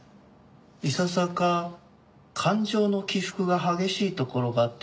いささか感情の起伏が激しいところがあってね。